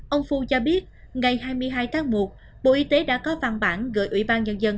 ông phu cho biết ngày hai mươi hai tháng một bộ y tế đã có văn bản gửi ủy ban nhân dân